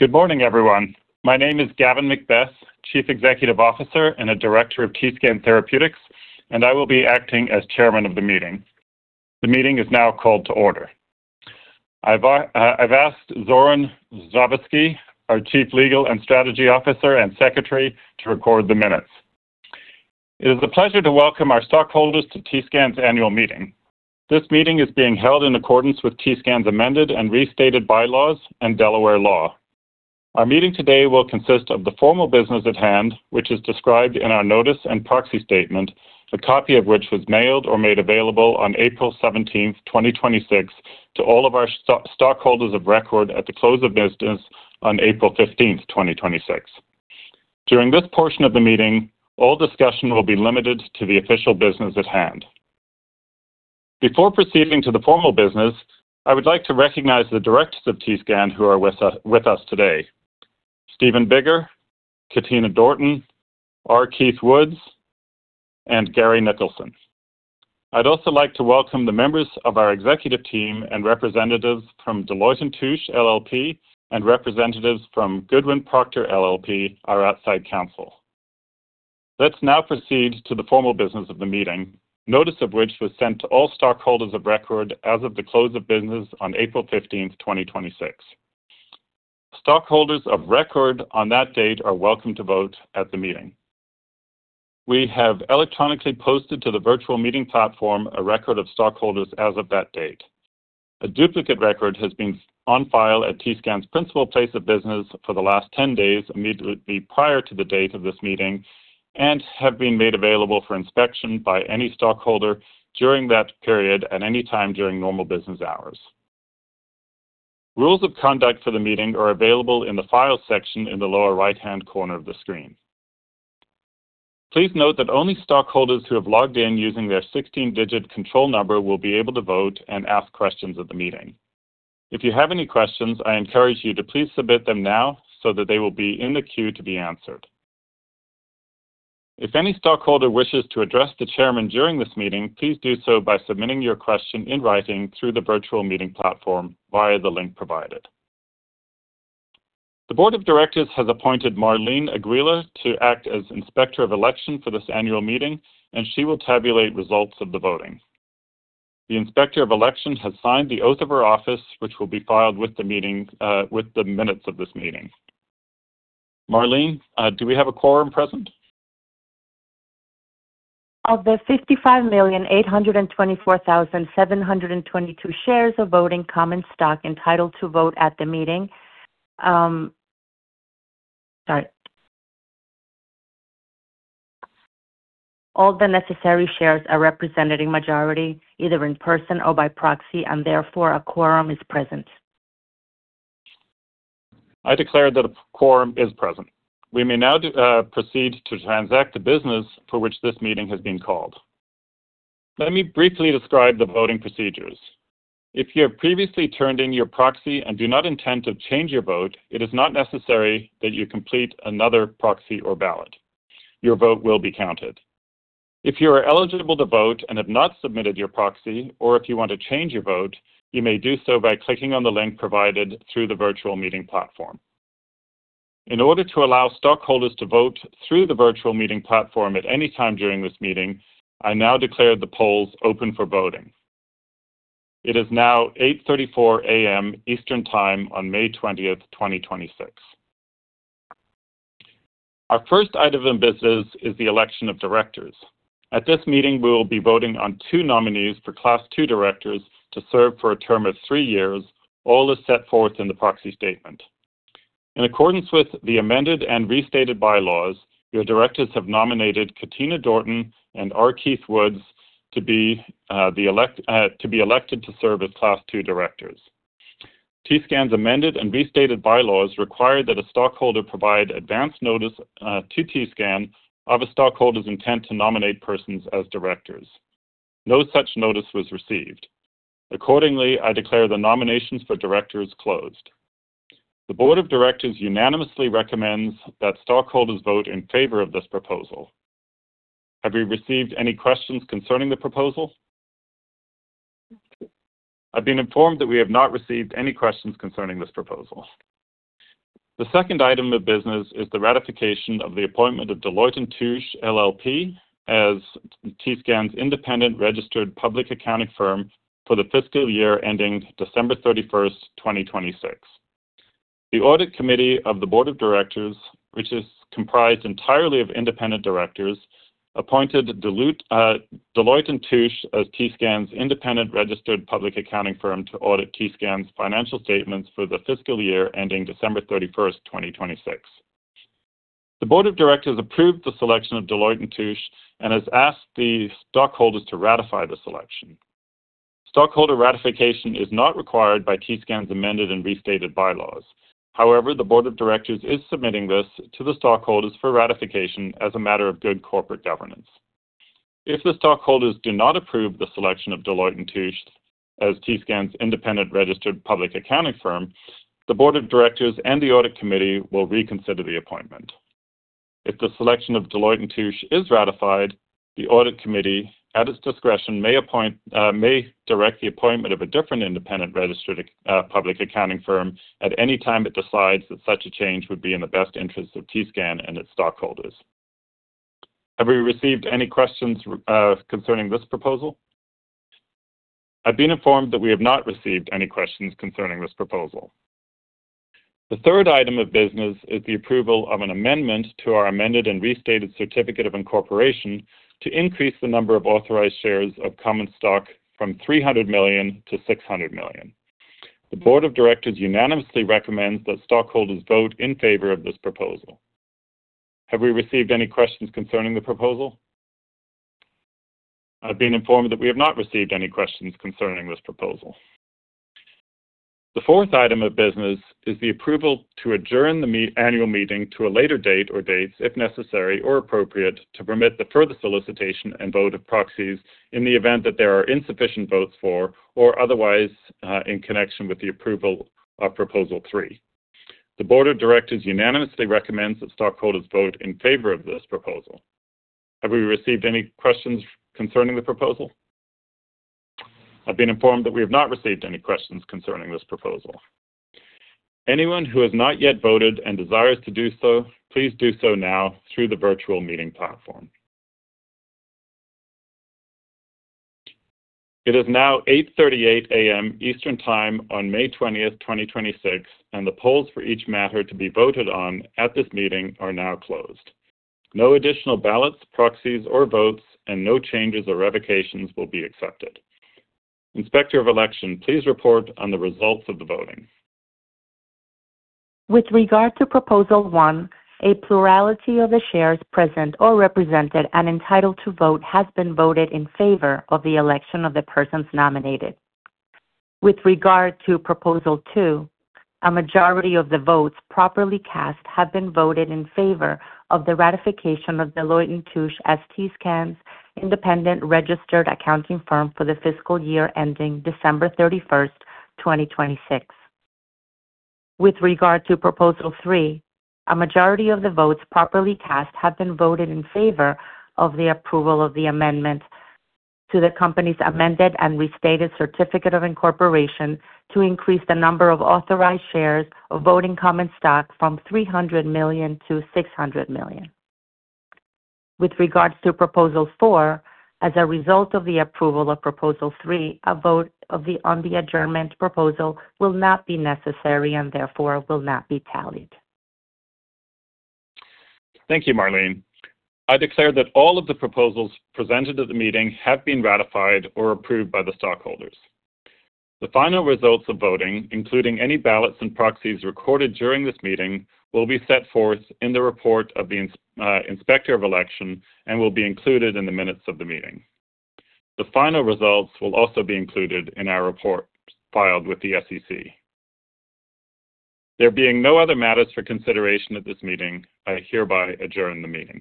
Good morning, everyone. My name is Gavin MacBeath, Chief Executive Officer and a Director of TScan Therapeutics, and I will be acting as Chairman of the meeting. The meeting is now called to order. I've asked Zoran Zdraveski, our Chief Legal and Strategy Officer and Secretary, to record the minutes. It is a pleasure to welcome our stockholders to TScan's annual meeting. This meeting is being held in accordance with TScan's amended and restated bylaws and Delaware law. Our meeting today will consist of the formal business at hand, which is described in our notice and proxy statement, a copy of which was mailed or made available on April 17, 2026, to all of our stockholders of record at the close of business on April 15, 2026. During this portion of the meeting, all discussion will be limited to the official business at hand. Before proceeding to the formal business, I would like to recognize the directors of TScan who are with us today: Stephen Biggar, Katina Dorton, R. Keith Woods, and Garry Nicholson. I'd also like to welcome the members of our executive team and representatives from Deloitte & Touche LLP and representatives from Goodwin Procter LLP, our outside counsel. Let's now proceed to the formal business of the meeting, notice of which was sent to all stockholders of record as of the close of business on April 15th, 2026. Stockholders of record on that date are welcome to vote at the meeting. We have electronically posted to the virtual meeting platform a record of stockholders as of that date. A duplicate record has been on file at TScan's principal place of business for the last 10 days immediately prior to the date of this meeting and have been made available for inspection by any stockholder during that period at any time during normal business hours. Rules of conduct for the meeting are available in the Files section in the lower right-hand corner of the screen. Please note that only stockholders who have logged in using their 16-digit control number will be able to vote and ask questions at the meeting. If you have any questions, I encourage you to please submit them now so that they will be in the queue to be answered. If any stockholder wishes to address the chairman during this meeting, please do so by submitting your question in writing through the virtual meeting platform via the link provided. The board of directors has appointed Marlene Aguilar to act as Inspector of Election for this annual meeting, and she will tabulate results of the voting. The Inspector of Election has signed the oath of her office, which will be filed with the meeting, with the minutes of this meeting. Marlene, do we have a quorum present? Of the 55,824,722 shares of voting common stock entitled to vote at the meeting, Sorry. All the necessary shares are represented in majority, either in person or by proxy, therefore, a quorum is present. I declare that a quorum is present. We may now proceed to transact the business for which this meeting has been called. Let me briefly describe the voting procedures. If you have previously turned in your proxy and do not intend to change your vote, it is not necessary that you complete another proxy or ballot. Your vote will be counted. If you are eligible to vote and have not submitted your proxy, or if you want to change your vote, you may do so by clicking on the link provided through the virtual meeting platform. In order to allow stockholders to vote through the virtual meeting platform at any time during this meeting, I now declare the polls open for voting. It is now 8:34 A.M. Eastern time on May 20th, 2026. Our first item of business is the election of directors. At this meeting, we will be voting on 2 nominees for Class 2 directors to serve for a term of 3 years, all as set forth in the proxy statement. In accordance with the amended and restated bylaws, your directors have nominated Katina Dorton and R. Keith Woods to be elected to serve as Class 2 directors. TScan's amended and restated bylaws require that a stockholder provide advance notice to TScan of a stockholder's intent to nominate persons as directors. No such notice was received. Accordingly, I declare the nominations for directors closed. The board of directors unanimously recommends that stockholders vote in favor of this proposal. Have we received any questions concerning the proposal? I've been informed that we have not received any questions concerning this proposal. The second item of business is the ratification of the appointment of Deloitte & Touche LLP as TScan's independent registered public accounting firm for the fiscal year ending December 31st, 2026. The audit committee of the board of directors, which is comprised entirely of independent directors, appointed Deloitte & Touche as TScan's independent registered public accounting firm to audit TScan's financial statements for the fiscal year ending December 31st, 2026. The board of directors approved the selection of Deloitte & Touche and has asked the stockholders to ratify the selection. Stockholder ratification is not required by TScan's amended and restated bylaws. The board of directors is submitting this to the stockholders for ratification as a matter of good corporate governance. If the stockholders do not approve the selection of Deloitte & Touche as TScan's independent registered public accounting firm, the board of directors and the audit committee will reconsider the appointment. If the selection of Deloitte & Touche is ratified, the audit committee, at its discretion, may appoint, may direct the appointment of a different independent registered public accounting firm at any time it decides that such a change would be in the best interest of TScan and its stockholders. Have we received any questions concerning this proposal? I've been informed that we have not received any questions concerning this proposal. The third item of business is the approval of an amendment to our amended and restated certificate of incorporation to increase the number of authorized shares of common stock from $300 million to $600 million. The board of directors unanimously recommends that stockholders vote in favor of this proposal. Have we received any questions concerning the proposal? I've been informed that we have not received any questions concerning this proposal. The fourth item of business is the approval to adjourn the annual meeting to a later date or dates, if necessary or appropriate, to permit the further solicitation and vote of proxies in the event that there are insufficient votes for or otherwise, in connection with the approval of proposal three. The board of directors unanimously recommends that stockholders vote in favor of this proposal. Have we received any questions concerning the proposal? I've been informed that we have not received any questions concerning this proposal. Anyone who has not yet voted and desires to do so, please do so now through the virtual meeting platform. It is now 8:38 A.M. Eastern Time on May 20th, 2026, and the polls for each matter to be voted on at this meeting are now closed. No additional ballots, proxies or votes, and no changes or revocations will be accepted. Inspector of Election, please report on the results of the voting. With regard to proposal one, a plurality of the shares present or represented and entitled to vote has been voted in favor of the election of the persons nominated. With regard to proposal two, a majority of the votes properly cast have been voted in favor of the ratification of Deloitte & Touche as TScan's independent registered accounting firm for the fiscal year ending December 31, 2026. With regard to proposal three, a majority of the votes properly cast have been voted in favor of the approval of the amendment to the company's amended and restated certificate of incorporation to increase the number of authorized shares of voting common stock from 300 million to 600 million. With regards to proposal 4, as a result of the approval of proposal 3, a vote on the adjournment proposal will not be necessary and therefore will not be tallied. Thank you, Marlene. I declare that all of the proposals presented at the meeting have been ratified or approved by the stockholders. The final results of voting, including any ballots and proxies recorded during this meeting, will be set forth in the report of the Inspector of Election and will be included in the minutes of the meeting. The final results will also be included in our report filed with the SEC. There being no other matters for consideration at this meeting, I hereby adjourn the meeting.